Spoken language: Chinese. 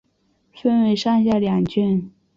分为上下两卷。